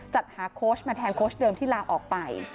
จัดหาโค้ชมาแทนโค้ชเดิมที่ลาออกไป